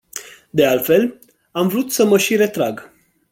De altfel, am vrut să mă și retrag.